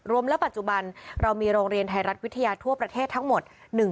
ปัจจุบันเรามีโรงเรียนไทยรัฐวิทยาทั่วประเทศทั้งหมด